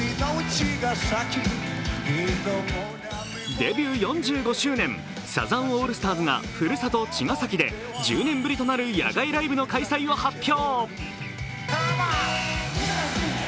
デビュー４５周年、サザンオールスターズがふるさと・茅ヶ崎で１０年ぶりとなる野外ライブの開催を発表。